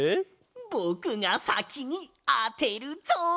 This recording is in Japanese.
ぼくがさきにあてるぞ！